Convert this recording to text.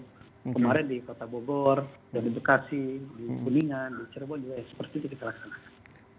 kemarin di kota bogor dan di bekasi di kuningan di cirebon juga seperti itu kita laksanakan